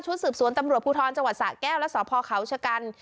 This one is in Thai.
สืบสวนตำรวจภูทรจังหวัดสะแก้วและสพเขาชะกัน